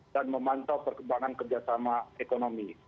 dan memantau perkembangan kerjasama ekonomi